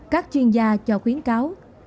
các chuyên gia cho khuyến cáo